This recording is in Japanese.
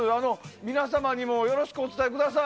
皆様にもよろしくお伝えください。